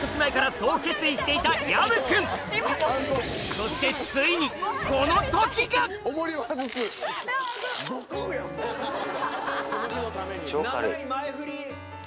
そしてついにこの時が超軽い。